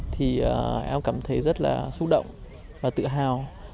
thì em cảm thấy rất là xúc động và tự hào